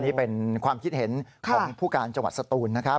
นี่เป็นความคิดเห็นของผู้การจังหวัดสตูนนะครับ